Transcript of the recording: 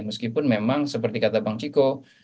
meskipun memang seperti kata bang ciko